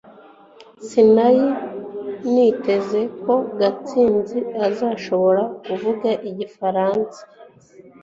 Sinari niteze ko Gatsinzi azashobora kuvuga igifaransa